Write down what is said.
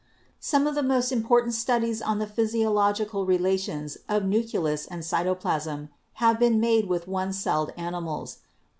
Some of the most important studies on the physiological relations of nucleus and cytoplasm have been made with one celled animals.